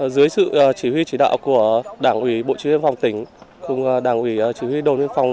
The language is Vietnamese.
dưới sự chỉ huy chỉ đạo của đảng ủy bộ chí huyên phòng tỉnh cùng đảng ủy chí huy đồn huyên phòng